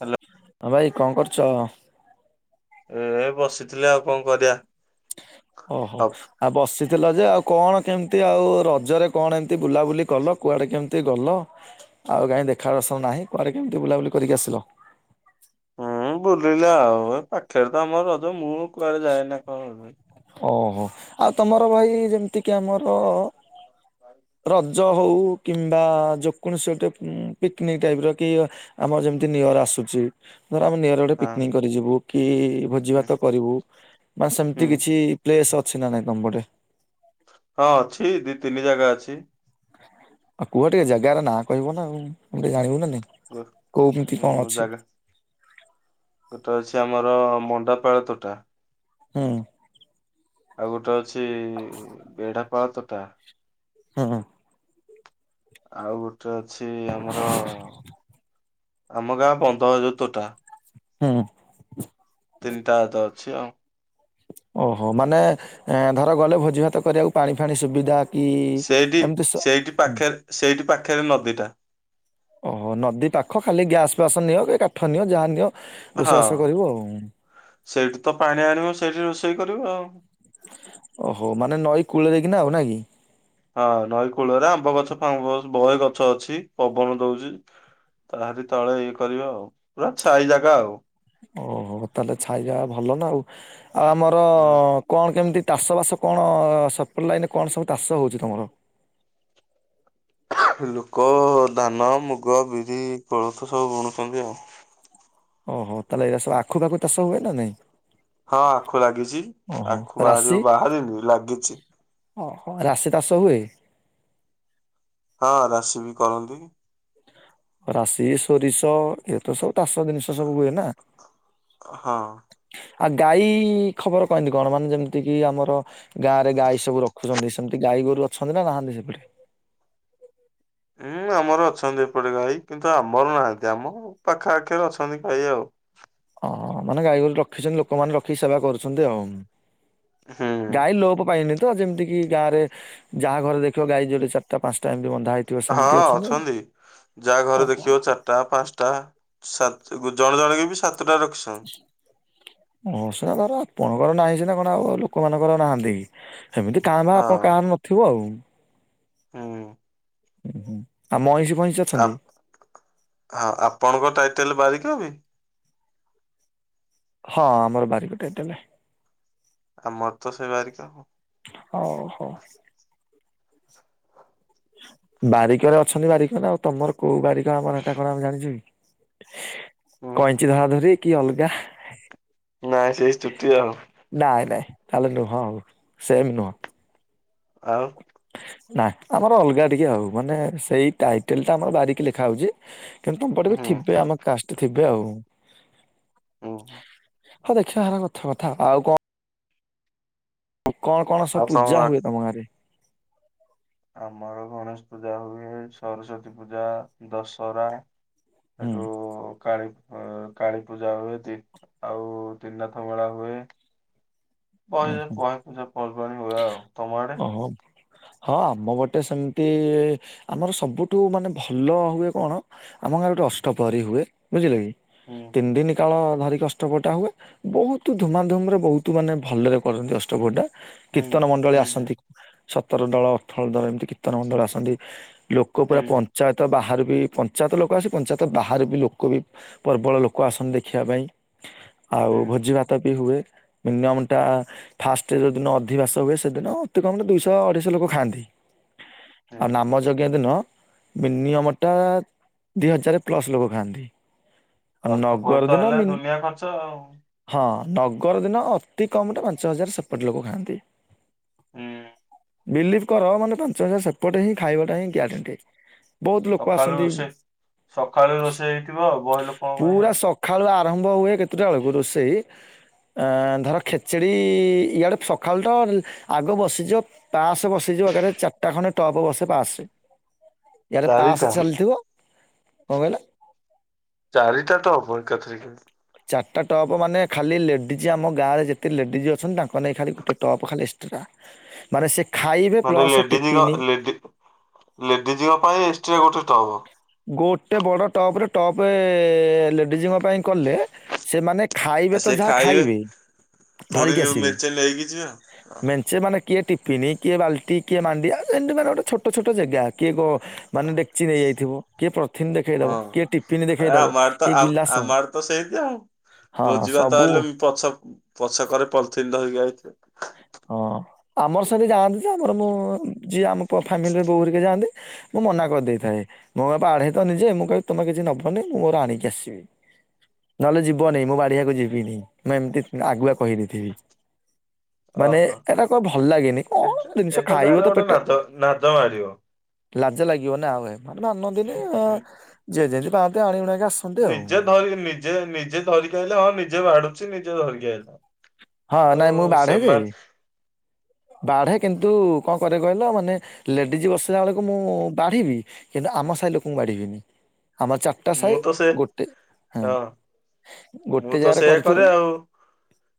Hello ହଁ ଭାଇ କଣ କରୁଛ। ଏ ବସିଥିଲି ଆଉ କଣ କରିବା। ଓହୋ। ହବ। ଆଉ ବସିଥିଲ ଯେ ଆଉ କଣ କେମିତି ଆଉ ରଜରେ କଣ ଏମତି ବୁଲାବୁଲି କଲ କୁଆଡେ କେମିତି ଗଲ। ଆଉ କାଇଁ ଦେଖା ଦର୍ଶନ ନାହିଁ କୁଆଡରେ କେମିତି ବୁଲାବୁଲି କରିକି ଆସିଲ। ହୁଁ ବୁଲିଲା ଆଉ ଏ ପାଖରେ ତ ଆମର ରଜ ମୁଁ କୁଆଡେ ଯାଏନା କଣ ଓହୋ ଆଉ ତମର ଭାଇ ଯେମିତିକି ଆମର ରଜ ହଉ କିମ୍ବା ଯେକୌଣସି ଗୋଟେ ପିକନିକ୍ ଟାଇପ ର କି ଆମର ଯେମିତି ନିଅର ଆସୁଛି ଧର ଆମ ନିଅର ଗୋଟେ ହଁ ପିକ୍ନିକ୍ କରି ଯିବୁ କି ଭୋଜି ହୁଁ ଭାତ କରିବୁ। ବାସ ହୁଁ ସେମିତି କିଛି ପ୍ଲେସ ଅଛି ନା ନାଇଁ ତମପଟେ। ହଁ ଅଛି ଦି ତିନି ଜାଗା ଅଛି। ଆଉ କୁହ ଟିକେ ଜାଗାର ନା କହିବ ନା ଆଉ ଆମେ ଟିକେ ଜାଣିବୁ ନାଇ ଗୋ କୋଉମିତି କଣ ହୁଁ ଅଛି। ଜାଗା ଗୋଟେ ଅଛି ଆମର ମଣ୍ଡାପାଳ ତୋଟା। ହୁଁ। ଆଉ ଗୋଟେ ଅଛି ବେଢାପାଳ ତୋଟା। ହୁଁ ଉଁ। ଆଉ ଗୋଟେ ଅଛି ଆମର ଆମ ଗାଁ ବନ୍ଧ ଯେଉ ତୋଟା। ହୁଁ। ତିନିଟା ତ ଅଛି ଆଉ। ଓହୋ ମାନେ ଧର ଗଲେ ଭୋଜି ଭାତ କରିବାକୁ ପାଣି ଫାଣି ସୁବିଧା କି ସେଇଠି ଏମିତି ସ ସେଇଠି ହୁଁ ପାଖରେ ସେଇଠି ପାଖରେ ନଦୀଟା। ଓହୋ ନଦୀ ପାଖ ଖାଲି ଗ୍ୟାସ ଫ୍ୟାସ ନିଅ କି କାଠ ନିଅ ଯାହା ନିଅ ରୋଷେଇବାସ କରିବ ଆଉ। ସେଇଠି ତ ପାଣି ଆଣିବ ସେଇଠି ରୋଷେଇ କରିବୁ ଆଉ। ଓହୋ ମାନେ ନଈ କୂଳରେକିନା ଆଉ ନା କି। ହଁ ନଈ କୂଳରେ ଆମ୍ବ ଗଛ ଫାମ୍ବ ଗଛ ବହେ ଗଛ ଅଛି ପବନ ଦଉଛି। ତାହାରି ତଳେ ଇଏ କରିବ ଆଉ ପୁରା ଛାଇ ଜାଗା ଆଉ। ଓହୋ ତାହେଲେ ଛାଇ ଜାଗା ଭଲ ନା ଆଉ ଆମର ହୁଁ। କଣ କେମିତି ଚାଷବାସ କଣ ସପ୍ଲାଇନ କଣ ସବୁ ଚାଷ ହେଉଛି ତୁମର। ଲୋକ ଧାନ ମୁଗ ବିରି କୋଳଥ ସବୁ ବୁଣୁଛନ୍ତି ଆଉ। ଓହୋ ତାହେଲେ ଏଇା ସବୁ ଆଖୁପାଖୁ ଚାଷ ହୁଏ ନା ନାଇଁ? ହଁ ଆଖୁ ଲାଗିଛି ଓହୋ ଆଖୁ ବାହାରିବ ବାହାରିନି ଲାଗିଛି। ଓହ ରାଶି ଚାଷ ହୁଏ? ହଁ ରାଶି ବି କରନ୍ତି। ରାଶି ସୋରିଷ ଏ ତ ସବୁ ଚାଷ ଜିନିଷ ସବୁ ହୁଏ ନା। ହଁ। ଆ ଗାଈ ଖବର କେମିତି କଣ ମାନେ ଯେମିତି କିି ଆମର ଗାଁ ରେ ଗାଈ ସବୁ ରଖୁଛନ୍ତି ସେମିତି ଗାଈ ଗୋରୁ ଅଛନ୍ତି ନା ନାହାଁନ୍ତି ସେପଟେ। ହୁଁ ଆମର ଅଛନ୍ତି ଏପଟେ ଗାଈ କିନ୍ତୁ ଆମର ନାହାନ୍ତି ଆମ ପାଖା ଆଖିରେ ଅଛନ୍ତି ଗାଈ ଆଉ। ହଁ ମାନେ ଗାଈଗୋରୁ ରଖିଛନ୍ତି ଲୋକମାନେ ରଖିକି ସେବା କରୁଛନ୍ତି ଆଉ। ହୁଁ। ଗାଈ ଲୋପ ପାଇନି ତ ଯେମତିି ଗାଁରେ ଯାହା ଘରେ ଦେଖିବ ଗାଈ ଯୋଟେ ଚାରିଟା ପାଞ୍ଚଟା ଏମିତି ବନ୍ଧା ହେଇ ହଁ ଅଛନ୍ତି ଯାହା ଘରେ ଓହୋ ଦେଖିବ ଚା ଟା ପାଞ୍ଚଟା ସାତ ଜଣେ ଜଣେ କି ବି ସାତଟା ରଖି ହ ଅଁ ସେୟା ପରା ଆପଣଙ୍କର ନାହିଁ ସିନା କଣ ଆଉ ଲୋକମାନଙ୍କର ନାହାନ୍ତି କି। ସେମିତି କାଁ ଭା ଆପଣ ହଁ କାହାର ନଥିବ ଆଉ। ହୁଁ। ଆଉ ମଇଁଷି ପଇଁଷି ଆ ହଁ ଆପଣଙ୍କ ଟାଇଟେଲ ବାରିକ ବି? ହଁ ଆମର ବାରିିକ ଟାଇଟେଲ୍। ଆମର ତ ସେଇ ବାରିକ। ହଉ ହୋ। ବାରିକରେ ଅଛନ୍ତି ବାରିକ ନା ଆଉ ତମର କୋଉ ବାରିକ ଆମର ଏଟା କଣ ଆମେ ଜାଣିଛୁ କି। ହୁଁ ହୁଁ କଇଁଚି ଧରା ଧରି କି ଅଲଗା। ନାଇଁ ସେଇ ଚୁଟି ଆଉ। ନାଇଁ ନାଇଁ ତାହେଲେ ନୁହଁ ଆଉ ସେମ୍ ନୁହଁ। ଆଉ ନା ଆମର ଅଲଗା ଟିକେ ଆଉ ମାନେ ସେଇ ଟାଇଟେଲ ଟା ଆମର ବାରିକି ଲେଖା ହଉଛି। କିନ୍ତୁ ବାରିକ ହୁଁ ଥିବେ ଆମ କାଷ୍ଟ ଥିବେ ଆଉ। ହୁଁ ହଁ ଦେଖିବା ହେରା କଥା କଥା ଆଉ କଣ କଣ କଣ ସବୁ ପୂଜା ହୁଏ ତମ ଗାଁ ରେ? ଆମର ଗଣେଶ ପୂଜା ହୁଏ ସରସ୍ଵତୀ ପୂଜା ଦଶହରା ହୁଁ ଏଠୁ କାଳି ହ କାଳୀ ପୂଜା ହୁଏ ତି ଆଉ ତିନିନାଥ ମେଳା ହୁଏ। ଉଁ ହୁଁ [unintelligible] ପୂଜା ପର୍ବାଣୀ ହୁଏ ଆଉ ତମ ଆଡ଼େ? ଓହୋ ହଁ ଆମ ପଟେ ସେମିତି ଆମର ସବୁଠୁ ମାନେ ଭଲ ହୁଏ କଣ ଆମ ଗାଁ ଗୋଟେ ଅଷ୍ଟପହରୀ ହୁଏ ବୁଝିଲ କି? ହୁଁ। ତିନି ଦିନ କାଳ ଧରି ଅଷ୍ଟପହରୀ ହୁଏ ବହୁତ ଧୁମାଧୁମ ରେ ବହୁତ ମାନେ ଭଲରେ କରନ୍ତି ଅଷ୍ଟପହରୀ ଟା ହୁଁ କୀର୍ତ୍ନ ମଣ୍ଡଳୀ ହୁଁ ହୁଁ ଆସନ୍ତି। ସତର ଦଳ ଅଠର ଦଳ ଏମିତି କିତ୍ତନ ମଣ୍ଡଳୀ ଆସନ୍ତି ଲୋକ ପୁରା ହୁଁ ପଞ୍ଚ ଚାୟତ ବାହାରୁ ବି ପଞ୍ଚାୟତ ଲୋକ ଆସି ପଞ୍ଚାୟତ ବାହାରୁ ବି ଲୋକ ବି ପ୍ରବଳ ଲୋକ ଆସନ୍ତି ଦେଖିବା ପାଇଁ ଆଉ ହୁଁ ଭୋଜି ଭାତ ବି ହୁଏ ମିନି ଟା ଫାଷ୍ଟ ଯୋଉଦିନ ଅଧିବାସ ହୁଏ ସେଦିନ ଅତି କମରେ ଦୁଇଶହ ଅଢେଇଶହ ଲୋକ ଖାଆନ୍ତି। ହୁଁ ଆଉ ନାମ ଯଜ୍ଞ ଦିନ ମିନିୟମ ଟା ଦିଇ ହଜାର ପ୍ଲସ ଲୋକ ଖାଆନ୍ତି। ଆଉ ନଗର ଅଷ୍ଟପହରୀ ତ ଦିନ ହେଲେ ମିନି ଦୁନିଆ ଖର୍ଚ୍ଚ ଆଉ। ହଁ ନଗର ଦିନ ଅତି କମରେ ପାଞ୍ଚ ହଜାର ସେପଟେ ଲୋକ ଖାଆନ୍ତି। ହୁଁ ବିଲିଭ କର ମାନେ ପାଞ୍ଚ ହଜାର ସେପଟେ ହିଁ ଖାଇବାଟା ହିଁ ଗ୍ୟାରେଣ୍ଟି। ବହୁତ ଲୋକ ସକାଳୁ ଆସନ୍ତି ରୋଷେଇ ସକାଳୁ ରୋଷେଇ ହେଇଥିବ ଆଉ ବହେ ଲୋକଙ୍କ ପାଇଁ ପୁରା ଆଉ। ସ ଖାଳୁ ଆରମ୍ଭ ହୁଏ କେତେଟା ବେଳକୁ ରୋଷେଇ ଅ ଧର ଖେଚେଡ଼ି ଇଆଡ଼େ ସକାଳୁ ତ ଆଗ ବସିଯିବ ପାସ ବସିଯିବ ଏକାଥରେ ଚାରିଟା ଖଣ୍ଡେ ଟପ ବସେ ପାସ। ୟାରେ ତାସ ଚାରିଟା ଚାଲିଥିବ କଣ କହିଲ? ଚାରିଟା ତ ହବ ଏକାଥରିକେ। ଚାରିଟା ଟପ୍ ମାନେ ଖାଲି ଲେଡ଼ିଜ୍ ଆମ ଗାଁରେ ଯେତେ ଲେଡ଼ିଜ୍ ଅଛନ୍ତି ତାଙ୍କ ନେଇ ଖାଲି ଗୋଟେ ଟପ୍ ଖାଲି ଏକ୍ସଟ୍ରା। ହଁ ମାନେ ସେ ଖାଇ ମାନେ ଲେଡିଜଙ୍କ ଲେଡି ଲେଡିଜଙ୍କ ପାଇଁ ଏକ୍ସଟ୍ରା ଗୋଟେ ଟଵ। ଗୋଟେ ବଡ ଟପରେ ଟପେ ଲେଡିଜଙ୍କ ପାଇଁ କ କଲେ ସେମାନେ ଖାଇବେ ତ ଯାହା ଖାଇବେ ପୁଣି ଧରିକି ଆସିବେ। ମେଞ୍ଚେ ନେଇକି ଯିବେ। ମେଞ୍ଚେ ମାନେ କିଏ ଟିଫିନି କିଏ ବାଲ୍ଟି କିଏ ମଣ୍ଡିଆ ଏମିତି ମାନେ ଗୋଟେ ଛୋଟ ଛୋଟ ଜେଗା କିଏ ଗ ମାନେ ଡେକ୍ଚି ନେଇଯାଇଥିବ କିଏ ପ୍ରଥିନ ଦେଖେଇ ଦବ କିଏ ଟିଫିନ ହଁ ଦେଖେଇ ଏ ଦବ ଆମ ଆଡେ ତ କିଏ ଆମ ଗିଲାସ ଆମ ଆଡେ ତ ସେମିତି ଆଉ ହଁ ଭୋଜିି ଭାତ ସବୁ ହେଲେ ବି ପଛ ପଛ କରେ ପଲିଥିନ ଧରିକି ଆଇଥିବେ। ହଁ ଆମର ସେନ୍ତି ଯାଆନ୍ତି ଯେ ଆମର ମୁଁ ଯିଏ ଆମ ଫ୍ୟାମିଲିରେ ବୋଉହେରିକା ଯାଆନ୍ତି ମୁଁ ମନା କରିଦେଇଥାଏ ମୋ ବାଢେଇ ତ ନିଜେ ମୁଁ କହେ ତମେ କିଛି ନବନି ମୁଁ ମୋର ଆଣିକି ଆସିବି। ନହେଲେ ଯିବନି, ମୁଁ ବଢ଼ିଆକୁ ଯିବିନି ମୁଁ ଏମିତି ଆଗୁଆ କହିଦେଇଥିବି। ମାନେ ଓହୋ ଏଟା କ ଭଲ ଲାଗେନି। କଣ ଏଟା ଜିନିଷ ଏଟା ଖାଇବ ତାହେଲେ ତ ଗୋଟେ ପେଟେ। ନାଦ ନାଦ ମାଡିବ। ଲାଜ ଲାଗିବ ନା ଆଉ। ମାନେ ମାନନ୍ତିନି ହୁଁ ଯିଏ ଯେମିତି ପାଆନ୍ତି ଆଣିି ଉଣା କି ଆସ ନିଜେ ଧ ନିଜେ ନିଜେ ଧରିକି ଆଇଲେ ହଁ ନିଜେ ବାଢ଼ୁଛି ନିଜେ ଧରିକି ଆଇଲେ। ହଁ ଆଉ ନାଇଁ ସେମାନେ ବାଢ଼େ କିନ୍ତୁ କଣ କରେ କହିଲ ମାନେ ଲେଡ଼ିଜ୍ ବସିଲା ବେଳକୁ ମୁଁ ବାଢ଼ିବି କିନ୍ତୁ ଆମ ସାହି ଲୋକଙ୍କୁ ବାଢିବିନି। ଆମ ଚା ଟା ମୁଁ ସାହି ତ ସେ ଗୋଟେ ହଁ ଗୋଟେ ମୁଁ ତ ଜାଗାରେ ସେଇଆ କରୁଥିବୁ। କରେ ଆଉ।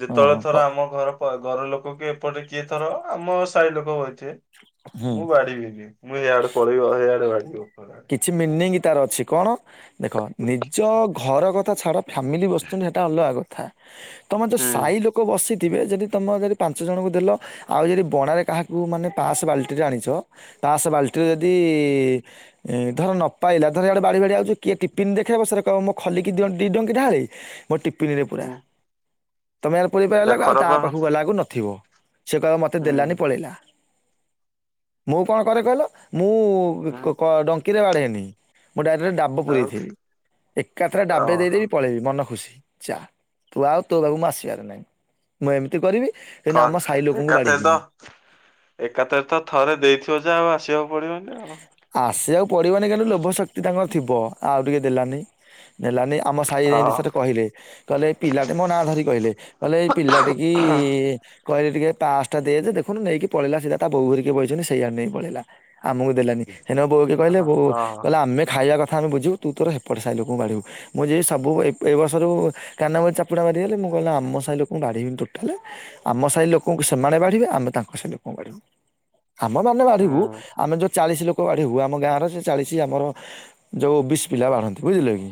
ଯେତେବେଳେ ଓହୋ କ ଥର ଆମ ଘର ଘର ଲୋକ କି ଏପଟେ କିଏ ଥର ଆମ ସାହି ଲୋକ ବଇଥିବେ ହୁଁ। ମୁଁ ବାଢିବିନି। ମୁଁ ଇଆଡେ ପଳେଇବ ଏଇଆଡେ। [unintelligible] କିଛି ମିନିଂ ତାର ଅଛି କଣ, ଦେଖ ନିଜ ଘର କ ଛାଡ଼ ଫାମିଲି ବସୁଛନ୍ତି ସେଟା ଅଲଗା କଥା। ତମେ ଯୋଉ ସାଇ ହୁଁ ଲୋକ ବସି ଥିବେ ଯଦି ତୁମେ ଯଦି ପାଞ୍ଚ ଜଣଙ୍କୁ ଦେଲ ଆଉ ଯଦି ବଣାରେ କାହାକୁ ମାନେ ପାସ୍ ବାଲ୍ଟିରେ ଆଣିଚ ପାସ ବାଲ୍ଟିରେ ଯଦି ଏ ଧର ନ ପାଇଲା ଧର ଏଇଆଡେ ବାଢି ବାଢି ଆଉଚ କିଏ ଟିଫିନ୍ ଦେଖେଇବ ସିଆଡେ କହିବ ମୋ ଖଲିକି ଦି ଡଙ୍କି ଢାଳେ ମୋ ଟିପିନିରେ ପୁରା। ତମେ ଆର ପୁରେଇ ଏଟା ପାରିଲା ଆଉ ତା ଖରାପ ପାଖକୁ ଗଲାକୁ ନଥିବ। ସେ କହିବ ମୋତେ ହୁଁ ଦେଲାନି ପଳେଇଲା। ମୁଁ କଣ କରେ କହିଲ ମୁଁ ହୁଁ ଡଙ୍କି ରେ ବା। ମୁ ଡାଇରେକ୍ଟ ଡ଼ା ଡାବ ଆଉ ପୁରେଇଥିବି। ଏକାଥରେ ଡାବେ ଓହୋ ଦେଇଦେବି ପଳେଇବି ମନ ଖୁସି। ଯା ତୁ ଆଉ ତୋ ପାଖକୁ ମୁଁ ଆସିବାର ନାହିଁ। ମୁଁ ଏମିତି କରିବି କିନ୍ତୁ ଥ ଆମ ସାହି ଲୋକଙ୍କୁ ଏକାଥରେ ତ ବାଡେଇବିନି। ଏକାଥରେ ତ ଥରେ ଦେଇଥିବ ଯେ ଆଉ ଆସିବାକୁ ପଡିବନି ଆଉ। ଆସିବାକୁ ପଡିବନି କିନ୍ତୁ ଲୋଭ ଶକ୍ତି ତାଙ୍କର ଥିବ। ଆଉ ଟିକେ ଦେଲାନି। ଦେଲାନି ଆମ ସାହି ରେ ହଁ ଏନ୍ତି ଥରେ କହିଲେ। କହିଲେ ଏ ପିଲାଟେ ମୋ ନାଁ ଧରି କହିଲେ, କହିଲେ ଏଇ ପିଲାଟି କି କହିଲି ଟିକେ ପାସଟା ଦି ଯେ ଦେଖୁନୁ ନେଇକି ପଳେଇଲା ସିଧା ତା ବୋଉହେରିକା ବଇଛନ୍ତି ସେଇଆଡେ ନେଇକି ପଳେଇଲା। ଆମକୁ ଦେଲାନି। ହେଇନିକା ବୋଉ ହେରିକା କହିଲେ ହଁ ହଁ ଆମେ ଖାଇବା କଥା ଆମେ ବୁଝିବୁ ତୁ ତୋର ହେପଟ ସାହି ଲୋକଙ୍କୁ ବାଢ଼ିବୁ। ମୁଁ ଯିବି ସବୁ ଏ ବର୍ଷରୁ କାନ ମୋଡ଼ି ଚାପୁଡ଼ା ମାରିହେଲି, ମୁଁ କହିଲି ଆମ ସାହି ଲୋକଙ୍କୁ ବାଢିବିନି ଟୋଟାଲେ। ଆମ ସାହି ଲୋକଙ୍କୁ ସେମାନେ ବାଢିବେ। ଆମେ ତାଙ୍କ ସାହି ଲୋକଙ୍କୁ ବାଢିବୁ। ଆମ ମାନେ ବାଢିବୁ ହୁଁ। ଆମେ ଯେଉଁ ଚାଳିଶ ଲୋକ ବାଢିବୁ ଆମ ଗାଁରେ ସେ ଚାଳିଶ ଆମର ଯୋଉ ବିଶ ପିଲା ବାଢନ୍ତି। ବୁଝିଲ କି।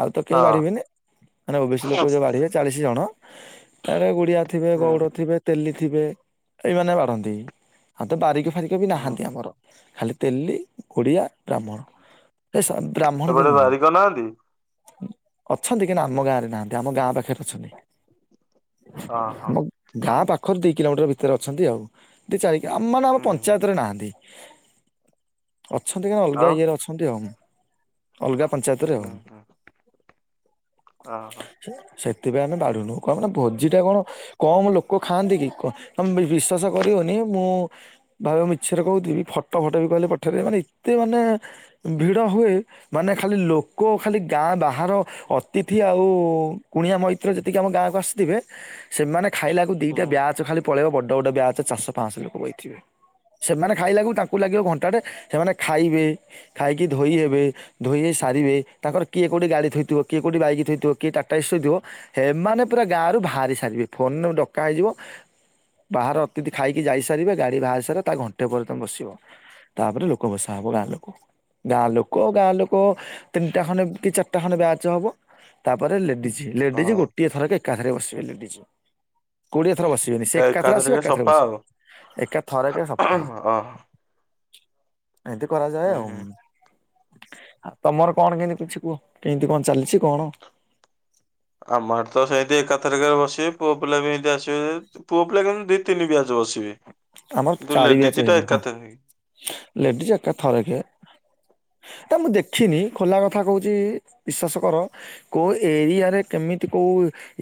ଆଉ ତ କେହି ହଁ ବାଢିବେନି ମାନେ ଓବିଶି ହୁଁ ଲୋକ ଯୋଉ ବାଢିବେ ଚାଳିଶ ଜଣ ତାରେ ଗୁଡିଆ ଥିବେ ଗଉଡ଼ ଥିବେ ତେଲି ଥିବେ ଏଇମାନେ ବାଢ଼ନ୍ତି। ଆଉ ତ ବାରିକ ଫାରିକ ବି ହୁଁ ନାହାନ୍ତି ଆମର। ଖାଲି ତେଲୀ, ଗୁଡିଆ, ବ୍ରାହ୍ମଣ ଏ ବ୍ରାହ୍ମଣ ବି ଏପଟେ ନୁହଁ। ବାରି କରିନାହାନ୍ତି ଅଛନ୍ତି କିନ୍ତୁ, ଆମ ଗାଁରେ ନାହାନ୍ତି। ଆମ ଗାଁ ପାଖରେ ଅଛନ୍ତି। ଓହୋ ଗାଁ ପାଖରୁ ଦି କିଲୋମିଟର ଭିତରେ ଅଛନ୍ତି ଆଉ। ଦୁଇ ଚାରିକି ଆମ ମାନ ଆମ ହୁଁ ହୁଁ ପଞ୍ଚାୟତରେ ନାହାନ୍ତି। ଅଛନ୍ତି କା ଅଲଗା ଆଉ ଇଏରେ ଅଛନ୍ତି ଆଉ। ଅଲଗା ପଞ୍ଚାୟତରେ ଆଉ। ହୁଁ ହୁଁ ଓହୋ ସେଥିପାଇଁ ଆମେ ବାଢୁନୁ। କଣ ମାନେ ଭୋଜି ଟା କଣ କମ ଲୋକ ଖାଆନ୍ତି କି। କ ତମେ ବିଶ୍ୱାସ କରିବନି ମୁଁ ଭାବ ମିଛରେ କହୁଥିବି। ଫଟୋ ଫଟୋ ବି କହିଲେ ପଠେଇ ଦେବି। ମାନେ ଏତେ ମାନେ ଭିଡ ହୁଏ, ମାନେ ଖାଲି ଲୋ ଲୋକ ଖାଲି ଗାଁ ବାହାର ଅତିଥି ଆଉ କୁଣିଆ ମୈତ୍ର ଯେତିକି ଆମ ଗାଁକୁ ଆସିଥିବେ ସେମାନେ ଖାଇଲା ବେଳକୁ ଦିଟା ହୁଁ ବ୍ୟାଜ ଖାଲି ପଳେଇବ ବଡ ବଡ ବ୍ୟାଜ ଚାରିଶ ପାଶହ ଲୋକ ବଇଥିବେ। ସେମାନେ ଖାଇଲାକୁ ତାଙ୍କୁ ଲାଗିବ ଘଣ୍ଟାଟେ। ସେମାନେ ଖାଇବେ ଖାଇକି ଧୋଇ ହେବେ। ଧୋଇ ହେଇ ସାରିବେ ତାଙ୍କର କିଏ କୋଉଠି ଗାଡି ଥୋଇଥିବ କିଏ କୋଉଠି ବାଇକ ଥୋଇଥିବ କିଏ ଟାଟାଏସି ଥୋଇଥିବ ହେମାନେ ପୁରା ଗାଁ ରୁ ବାହାରି ସାରିବେ ଫୋନରୁ ଡକା ହେଇଯିବ ବାହହାର ଅତିଥି ଖାଇକି ଯାଇସାରିବେ ଗାଡି ବାହାରି ସାରିବ ତା ଘଣ୍ଟେପରେ ତମେ ବସିବ। ତାପରେ ଲୋକ ବସା ହବ ଗାଁ ଲୋକ। ଗାଁ ଲୋକ ଗାଁ ଲୋକ ତିନିଟା ଖଣ୍ଡେ କି ଚାରିଟା ଖଣ୍ଡେ ବ୍ୟାଚ ହବ। ତାପରେ ଲେଡିଜ ଲେଡିଜ ଗୋଟିଏ ଥରକ ଏକାଥରେ ବସିବେ ଲେଡିଜ। କୋଡିଏ ଥର ବସିବେନି ସେ ଏକା ଥରେ ଆସିବେ ଏକାଥରକେ ଏକା ଥରେ ସଫା ବସିବେ ଏକା ଥରେକେ ସଫା। ଅ। ଏମିତି କରାଯାଏ ହୁଁ ଆଉ। ହୁଁ ଆଉ ତମର କଣ କେମିତି କିଛି କୁହ କେମିତି କଣ ଚାଲିଚି କଣ? ଆମ ଆଡେ ତ ସେମିତି ଏକାଥରକେ ବସିବେ ପୁଅ ପିଲା ବି ଏମିତି ଆସିବେ ପୁଅ ପିଲା କିନ୍ତୁ ଦି ତିନି ବ୍ୟାଚ ବସିବେ ଆମର କିନ୍ତୁ ଚାରି ବ୍ୟାଚ୍ ଲେଡିଜିଟା ହେଇଯାଏ ହଁ ଏକାଥରକେ। ଲେଡିଜ ଏକା ଥରକେ। ନାଁ ମୁଁ ଦେଖିନି ଖୋଲା କଥା କୋହଚି ବିଶ୍ୱାସ କର। କୋଉ ଏରିଆରେ କେମିତି କୋଉ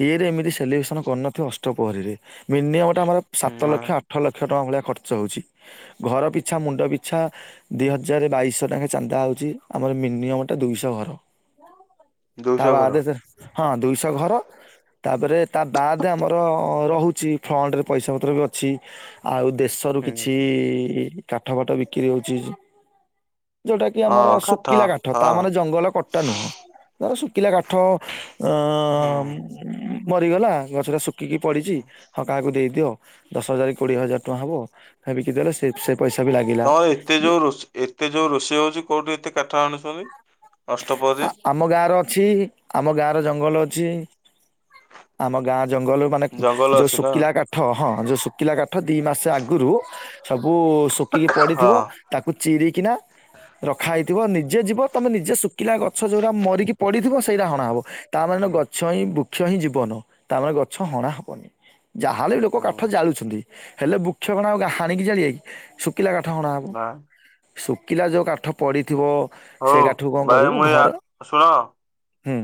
ଇଏରେ ଏମିତି ସେଲିବ୍ରେସନ କରିନଥିବ ଅଷ୍ଟପହରୀରେ। ମିନିମମ୍ ଟା ଆମର ସାତ ହୁଁ ଲକ୍ଷ ଆଠ ଲକ୍ଷ ଟଙ୍କା ଭଳିଆ ଖର୍ଚ୍ଚ ହୋଉଚି ଘର ପି ଛା ମୁଣ୍ଡ ପିଛା ଦି ହଜାର ବାଇଶହ ନାଖା ଚାନ୍ଦା ହୋଉଚି। ଆମର ମିନିମମ୍ ଟା ଦୁଇଶହ ଘର। ତା ଦୁଇଶହ ଘର ବାଦେ ହଁ ଦୁଇଶହ ଘର। ତାପରେ ତା ବାଦେ ଆମର ରହୁଛି ଫଣ୍ଡରେ ପଇସା ପତ୍ର ବି ଅଛି। ଆଉ ଦେଶରୁ ହୁଁ କିଛି କାଠ ବାଠ ବିକ୍ରି ହୋଉଚି। ଯୋଉଟା କି ଆମର ହଁ ଶୁଖିଲା କାଠ ହଁ ତାମାନେ ଜଙ୍ଗଲ କଟା ନୁହଁ। ତାର ଶୁଖିଲା କାଠ ଉ‍ଁ ହୁଁ ମରିଗଲା ଗଛ ଟା ଶୁଖିକି ପଡିଚି ହଁ କାହାକୁ ଦେଇଦିଅ। ଦଶ ହଜାର କୋଡିଏ ହଜାର ଟଙ୍କା ହବ ହେ ବିକିଦେଲେ ସେ ସେ ପଇଷା ବି ଲାଗିଲା। ତମର ଏତେ ଯୋଉ ରୋଷେ ଏତେ ଯୋଉ ରୋଷେଇ ହୋଉଚି କୋଉଠୁ ଏତେ କାଠ ଆଣୁଚନ୍ତି? ଆ ଅଷ୍ଟପହରୀ ଆମ ଗାଁ ଅଛି। ଆମ ଗାଁର ଜଙ୍ଗଲ ଅଛି। ଆମ ଗାଁ ଜଙ୍ଗଲ ମାନେ ଜଙ୍ଗଲ ଯୋଉ ଅଛି ନା ସୁୁକିଲା କା ଠ ହଁ ଯୋଉ ଶୁଖିଲା କାଠ ଦି ମାସ ଆଗରୁ ସବୁ ଶୁଖିକି ପଡିଥିବ। ହଁ ତାକୁ ଚିରିକିନା ରଖା ହେଇଥିବ। ନିଜେ ଯିବ ତମେ ନିଜେ ସୁ କିଲା ଗଛ ଯୋଉଟା ମରିକି ପଡିଥିବ ସେଇଟା ହଣା ହବ ତା ମାନେ ଗ ଛ ହିଁ ବୃକ୍ଷ ହିଁ ଜୀବନ। ତାମାନେ ଗଛ ହଣା ହେବନି। ଯାହାହେଲେ ବି ଲୋକ ହୁଁ କାଠ ଜାଳୁଛନ୍ତି। ହେଲେ ବୃକ୍ଷ କଣ ଆଉ ହାଣିକି ଜାଳିବେ କି ସୁ କିଲା କାଠ ଅଣାହେବ। ନା ଶୁକିଲା ଯୋ କାଠ ପଡ଼ିଥିବ। ହୋଉ ଭାଇ ମୁଁ ଜା ଶୁଣ ହୁଁ।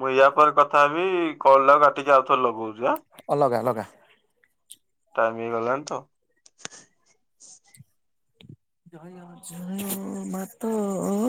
ମୁଁ ୟା ପରେ କଥା ହେବି। କଲ ଟାକୁ କାଟିକି ଆଉଥରେ ଲଗୋଉଚି ଆ ଅ ଲଗା ଲଗା। ଟାଇମ୍ ହେଇଗଲାଣି ତ। ଜୟ ଜୟ ମାତ।